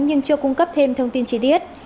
nhưng chưa cung cấp thêm thông tin chi tiết